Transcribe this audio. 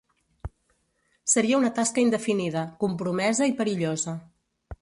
Seria una tasca indefinida, compromesa i perillosa.